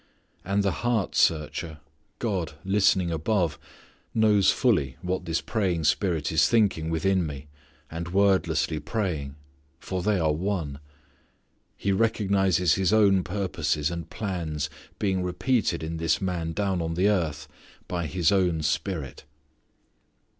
And the heart searcher God listening above knows fully what this praying Spirit is thinking within me, and wordlessly praying, for they are one. He recognizes His own purposes and plans being repeated in this man down on the earth by His own Spirit.